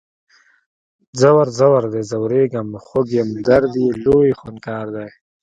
ځور، ځور دی ځوریږم خوږ یم درد یې لوی خونکار دی